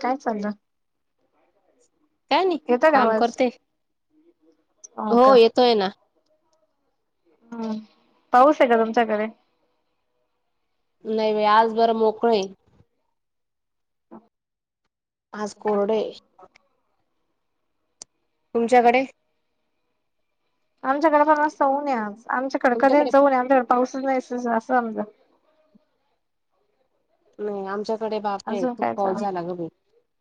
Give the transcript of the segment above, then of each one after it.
काय चालू काय नाई येतं का काम आवाज करतेय. हो येतोय ना. हं पाऊस आहे का तुमच्याकडे? नाही बाई आज जरा मोकळ है. आज कोरड है. तुमच्याकडे? आमच्याकडपण अस ऊन हे आज आमच्याकडे तुमच्याकडे कधीच ऊन आहे, आमच्याकडे पाऊसच नाही असं आमच् नाही आमच्याकडे बापरे! अजून खूप काय पाऊस चालू झाला ग बाई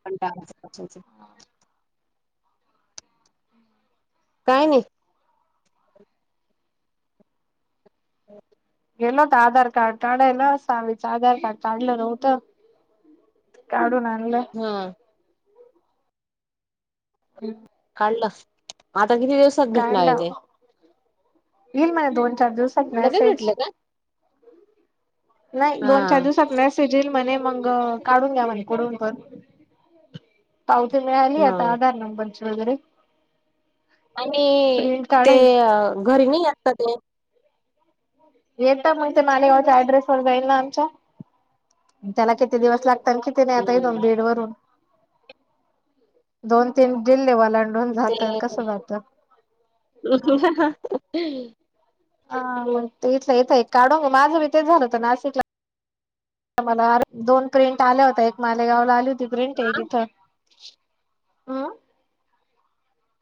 कंटाळा आला पावसाचा. हा काय नाही. हो गेलो होतो आधार कार्ड काढायला सावीच आधार कार्ड काढलं नव्हतं. काढून आणलं. हं हम् काढलास आता किती दिवस काढलं. येईल मग दोन-चार दिवसात लगेच मेसेज. भेटलं का नाही दोन-चार हा दिवसात मेसेज येईल म्हणे मंग काढून घ्या म्हणे कुढून पण. पावती मिळाली हा आता आधार नंबरची वगैरे. आणि प्रिंट ते काढायची घरी नाही आता ते येत मग ते मालेगावच्या ॲड्रेस वर जाईल ना आमच्या त्याला किती दिवस लागत आणि किती नाही आता इथून हम्म बीड वरून दोन तीन जिल्हे वलां ते हा मग तेच हाय इथं एक काढून माझं बी तेच झालं होत नाशिकला मला अर दोन प्रिंट आल्या होत्या एक मालेगावला आली हो् ती दुसरी प्रिंट हा एक इथं अ्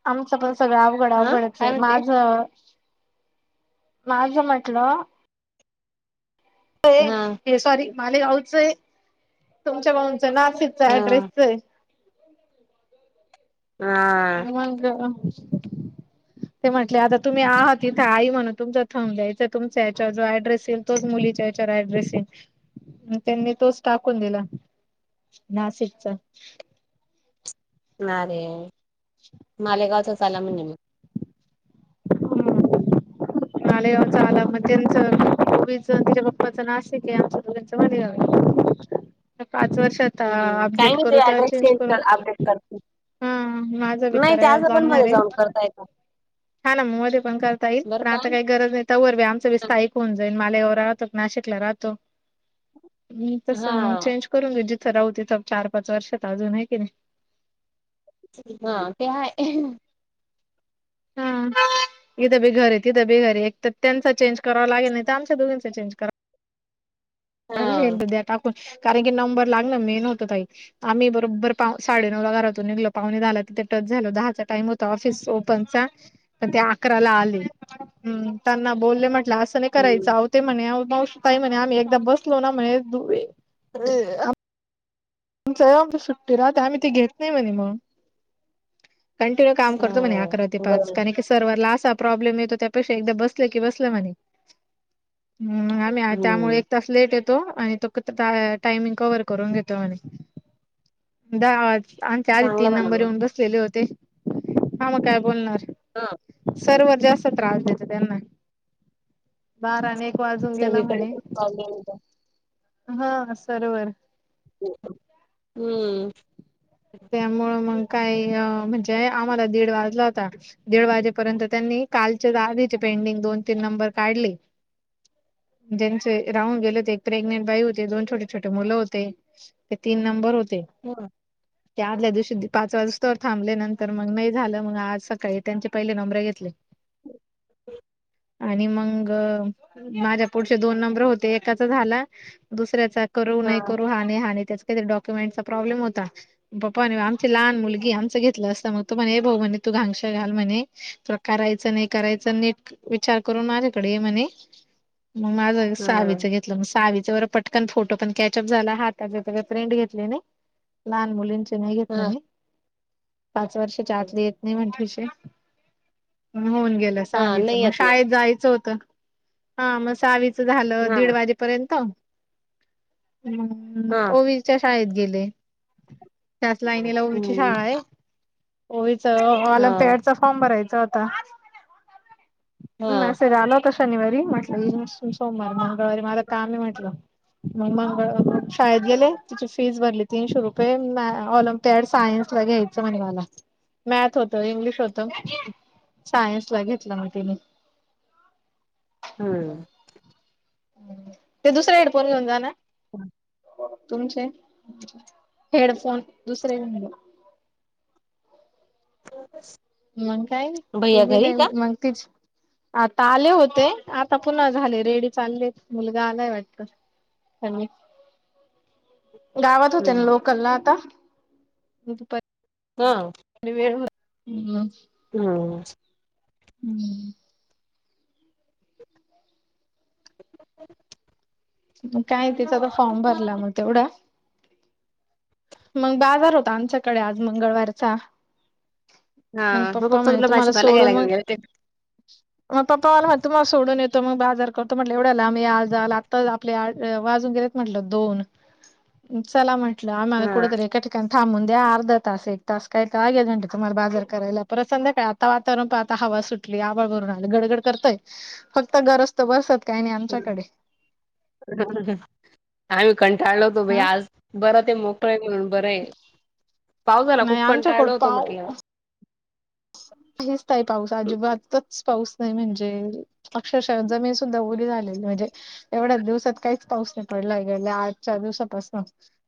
आमचं पण सगळं अवघड हा अवघडच काय हे म्हणते माझं माझ म्हटलं हा हे सॉरी मालेगावचं हाय तुमच्या भाऊंच नाशिकच्या हा ॲड्रेसच आहे. हा मंग ते म्हटले आता तुम्ही आहात इथं आई म्हणून तुमचा थांबलय, ह्याचा तुमच्या ह्याच्यावर जो ॲड्रेस येईल तोच मुलीच्या याच्यावर ॲड्रेस येईल, मग त्यांनी तोच टाकून दिला. नाशिकचा. नारे मालेगावचाच आला म्हणे म्. मालेगावचा आला म् त्याचं ओवीच तिच्या पप्पाच नाशिक आहे आमच्या दोघांचं मालेगाव आहे तर, पाच वर्षात आता हम्म काही अपडेट नाही करू ते तेव्हा ऍड्रेस चेंज करू. कर अपडेट करतील. हा माझा बी नाही ते कराय असं पण जाणार मध्ये हाय जाऊन करता येतं. हा ना म मध्ये पण करता येईल बरं पण का आता काय गरज नाही तवर बी आमंच बी स्ताइक होऊन जाईन मालेगावला राहतो नाशिकला राहतो नी तस मग हा चेंज करून घेऊ जिथं राहू तिथं चार पाच वर्ष आहेत अजून आहे की नाही हा ते हाय हा इथं बी घर हेत तिथं बी घर एक तर त्याचा चेंज करावा लागेल नाही तर आमच्या दोघींचा चेंज करा म्हणलं हा. एकदा द्या टाकून कारण की नंबर लागन मेन होतं ताई आम्ही बरोबर पा साडे नऊ ला घरातून निघलो पावणे दहाला तिथे टच झालो दहाच टाईम तो ऑफिस ओपनचा पण ते अकरा ला आले त्यांणा बोले म्हटल तस नाही करायचं हम्म अहो ते म्हणे आहो मावशी ताई म्हणे आम्ही ऐकदा बसलोना म्हणे आमच ऑफिस सुट्टी राहते आम्ही ती घेत नाही म्हणे म कंटिन्यू काम करतो म्हणे अकरा ते हम्म पाच गर कारण की सव्हर ला असा प्रॉब्लेम येतो त्या पेक्षा ऐकदा बसल की बसल म्हणे म आम्ही त्यामुळं हम्म एक तास लेट येतो आणि तो काय टायमिंग कवर करून घेतो म्हणे दहा आमच्या आधी चांगलं तीन म्हणा नंबर मग येऊन बसलेले होते हा मग काय बोलणार हा सर्वर जास्त त्रास देतो त्यांना बारा ने एक वाजून गेला सगळीकडे म्हणे तेच प्रॉब्लेम येतात. हा सर्वर हू त्यामुंळ मग काय म्हणजे आम्हाला दीड वाजला होता दीड वाजेपर्यंत त्यांनी कालचेच आधीचे पेंडिंग दोन तीन नंबर काढले ज्यांचे राहून गेले होते एक प्रेग्नेंट बाई होती दोन छोटे छोटे मुलं होते ते तीन नंबर होते हा ते आदल्या दिवशी पाच वाज तवर थांबले नंतर मग नाही झालं मग आज सकाळी त्यांचे पहिले नंबर घेतले आणि मग माझ्या पुढचे दोन नंबर होते एकाच झाल दुसऱ्याचा करू नाही करू हा नाही हा त्याच काहीतरी डॉक्युमेंटचा प्रॉब्लेम होता पप्पा आणि आमची लहान मुलगी आमचं घेतलं असत मग तू म्हणे हे भाऊ म्हणे तू घांगशा घाल म्हणे करायचं नाही करायचं नीट विचार करून माझ्याकडे ये म्हणे मग माझ म हा. सावीच घेतलं मग सावीच वर पटकन फोटो पण कॅचअप झाला हाताच काय प्रिंट घेतली नई लहान मुलींचे नाही घेत हा म्हणे पाच वर्षाच्या आतली येत नाही ठशे मग होऊन गेल हा, सावीच नाही म येत ना शाळेत जायचं होतं हा म सावीच् झालं हा दीड वाजे पर्यंत हा ओवीच्या शाळेत गेले त्याच लाईनीला ओवीची हम्म शाळा आहे ओविच वाला हा त्याच चा फॉर्म भरायचा होता हा. मेसेज आला शनिवारी म्हटलं सोमवारी मंगळवारी मला काम आहे म्हटलं मग मंगळ शाळेत गेले तिची फीस भरली तीनशे रुपये- ऑलिम्पिड सायन्स ला घ्यायचं म्हणे मला मॅथ्स होत इंग्लिश होत सायन्स ला घेतलं म तिने हू ते दुसर हेडफोन घेऊन जा ना [inaudible] तुमचे हेडफोन दुसरे घेऊन जा [unintelligible] मग काय, ते भैया घरी गेले का? मग तेच आता आले होते, आता पुन्हा झाले रेडी चालले मुलगा आलाय वाटतं. हल्ली गावात होते ना हम्म लोकलला आता,, प हां. [unintelligible] हम्म. हम्म. मग काय तिचा तो फॉर्म हम्म. भरला मग तेवढा. मंग बाजार होत आमच्याकडे आज मंगळवारचा. मग हां. पप्पा म्हणे तुला तु मला भाजीपाला सोडून घ्यायला घेऊन मग गेले ते मग पप्पा मला-म्हण तुम्हाला सोडून येतो, मग बाजार करतो, म्हटलं एवढ्या लांब या जाय -आपले आठ- अ वाजून गेलेत म्हटलं दोन, चला म्हटलं आम्हाला हां. कुठेतरी एका ठ काणी थांबून द्या, अर्ध तास एक तास काय का- घ्यायचं म्हटलं तुम्हाला बाजार करायला, परत संध्याकाळ -ता वातावरण पण आता हवा सुटली, आभाळ भरून आलं गडगड करतय, फक्त गरज तो बसत काही नाही हं. आमच्याकडे, आम्ही कंटाळलो होतो बाई, हा आज बरं ते मोकळा आहे म्हणून. बरंय पावसाला नाही खूप आमच्याकडे कंटाळलो होतो म्हटलं. काहिच नाही पाऊस, अजिबातच पाऊस नाही म्हणजे अक्षरशः जमीन सुद्धा उली झालेली म्हजे एवढ्या दिवसात काहीच पाऊस नाही पडला गेल्या आजच्या दिवसापासनं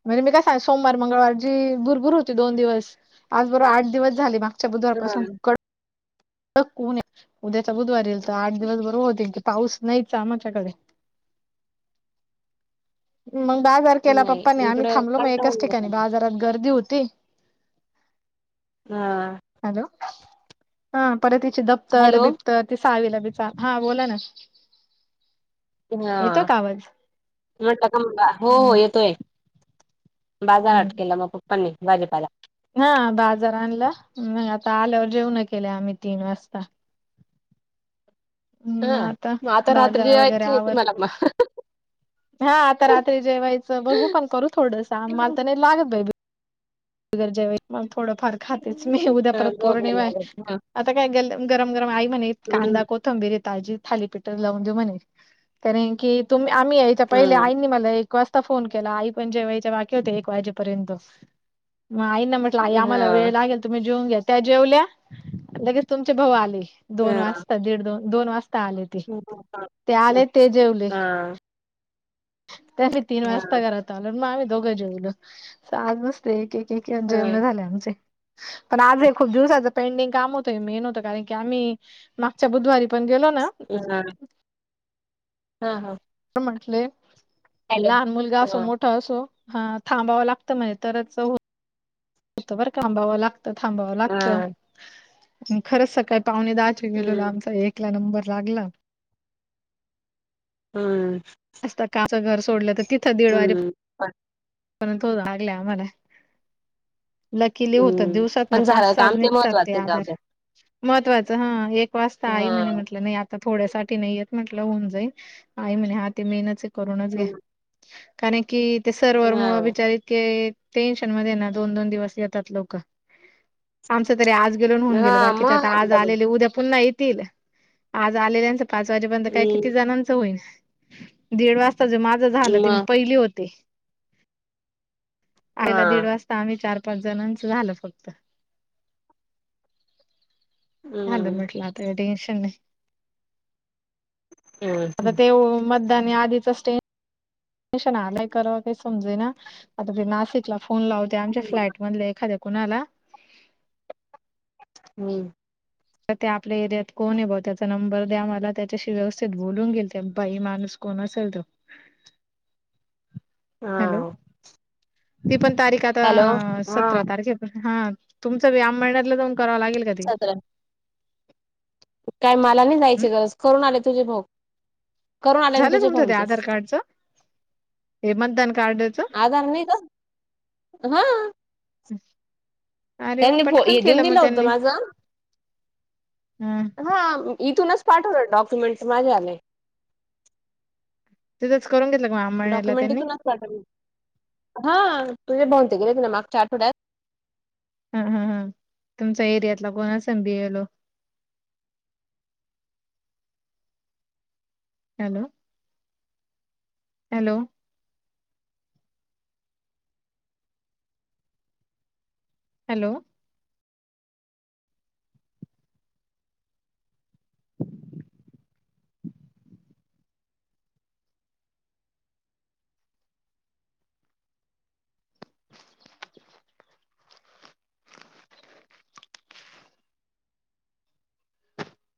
म्हणजे मी काय सांग सोमवार मंगळवार जी भुरभूर होती दोन दिवस, आज बरोबर आठ दिवस झाले बा -च बुधवारपासून हां. कड क- उद्याचा बुधवारी येईल तर आठ दिवस बरोबर होतील की पाऊस नाहीच आमच्याकडे. मग बाजार केला नाही पप्पाने, आम्ही इकडं थांबलो मग एकाज कंटाळलो होतो ठिकाणी आम्ही. बाजारात गर्दी होती. हा. हॅलो! हां परत हिचे दप्तर हॅलो. बी तर ती साहावीला बीचा, हा बोला ना. येतो हां, का आवाज म्हटल का मग हो हो हम्म येतोय. हम्म बाजारहाट केला मग पप्पानी, भाजीपाला. हा बाजार आणला,, मग आता आल्यावर जेवनं केले आम्ही तीन वाजता. हम्म आता बाजार वगैरे आवर म हा आता रात्री जेवायचं, बघू पण करू थोडंस, मला तर नाही लागत बाई जेवायच्या वेळी थोडंफार खातेच मी, उद्या हां, परत झोप नाही पौर्णिमा आहे लागत. हां. आता काय गर गरम गरम आई म्हणे कांदा हं, कोत कोथंबीर आहे ताजी थालीपीठच लावून देऊ म्हणे, कारण की तुम्ही आम्ही यायच्या पहिले हं. आईंनी मला एक क वाजता फोन केला, आई पण जेवायच्या बाकी होत्या एक वाजेपर्यंत, म आई ना म्हटलं, आई आम्हाला वेळ हां. लागेल तूम्ही जेऊन घ्या. त्या जेवल्या, लगेच तुमचे भाऊ आले, दोन हां. वाजता दीड दोन दोन वाजता आले. ते हां. आले ते जेवले. हां. त्यात मी तीन हां, वाजता घरात आलो मग आम्ही दोघं जेवलो, चालू असतय एक एक तेव्हा हां, जेवणं झाले आमचे, पण आज बी खुप दिवसाच पेंडिंग काम होतं हे मेन होतं कारण की आम्ही मागच्या बुधवारी् [unintelligible] हा हा. म्हटले अन लहान मुलगा असो हां, मोट् -ठा असो हा थांबाव लागतं म्हणे तरच हो -तं बर का थांबावं लागतं थांबाव हां, लागतं खरच सकाळी पावणे दहा तिथे गेलेलो हं, आमचा एक ला नंबर लागला हं. सकाळचं घर सोडलं त तिथं दीड हं. पण वाजेपर्यंत [unintelligible] लागल्या आम्हाला. लकीली होतात हं, दिवसात न पण पाच झालं सा च काम निघतात ते महत्वाचं आहे, जाऊ आधार, द्या. महत्वाच हा एक वाजता आई म्हणे हां, म्हटलं नई आता थोड्यासाठी नई येत म्हटलं हुऊन जाईन आई म्हणे हा ते मेनचे् करूनच घ्या हं, कारण की ते सर्वर मुळं हां, बीचारी ईतके् टेन्शन मध्ये ना दोन दोन दिवस येतात लोकं आमचं तरी आज गेलो न हुऊन गेलं हां, बाकीचे आता मग आज डबल आलेले उद्या पुन्हा येतील, आज आलेल्यांचं पाच वाजेपर्यंत काय किती हं, जणांचं होईन. दीड वाजता जे माझं झालं तीं म मग पईली होते. आईला दीड हां, वाजता आम्ही चार पाच जणांचं झालं फक्त. झालं हं, म्हटलं आता टेन्शन नई. हं, आता हं, ते म त्यानी आधीचा स्टे टेन्शन आलं करावं काई समजेना आता ते नाशिकला फोन लावते आमच्या फ्लॅट मधल्या एखाद्या कुणाला? हम्म. त त्या आपल्या एरियात कोणे ब्वा त्याचा नंबर द्या मला त्याच्याशी व्यवस्थित बोलून घेईल ते बाई माणूस कोण असेल त हॅलो हां. ती पण तारीख आता हॅलो, हां, सतरा तारीखेपा हा तुमचं बी अम्मळनेरला जाऊन करावं लागेल का ते? [unintelligible] काय मला नी हम्म जायची गरज करून आले तुझे भाऊ करून आले ना झालं तुझे तुमचं ते भाऊंचे. आधार कार्डच्? हे मतदान कार्डचं. आधार नाही का? हां, अरे वा त्यांनी फो पटकन हे देऊन केलं म दिलं होतं त्यांनी. माझं. हम्. हा इथूनच पाठवले डॉक्युमेंट माझ्या वाले. तिथंच करून घेतलं का म अमळनेरला डॉक्युमेंट त्यांनी? इथूनच हा तुझे भाऊंन ते गेले होते मागच्या आठवड्यात. हा हा हा तुमचा एरियातला कोण असेन B. L. O. Hello hello hello [inaudible]